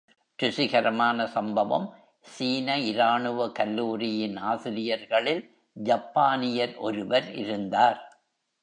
ருசிகரமான சம்பவம் சீன இராணுவ கல்லூரியின் ஆசிரியர்களில் ஜப்பானியர் ஒருவர் இருந்தார்.